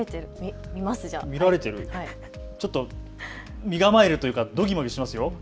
ちょっと身構えるというかどぎまぎしますよ。